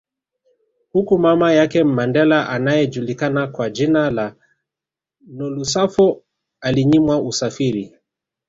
Huku mama yake Mandela anaejulikana kwa jina la Nolusapho alinyimwa usafiri